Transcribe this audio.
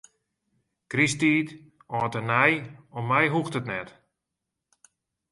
Krysttiid, âld en nij, om my hoecht it net.